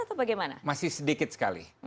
atau bagaimana masih sedikit sekali